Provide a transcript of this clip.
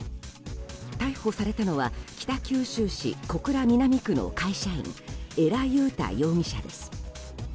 逮捕されたのは北九州市小倉南区の会社員恵良祐太容疑者です。